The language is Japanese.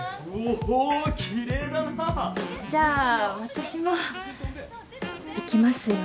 じゃあ私もいきますよ。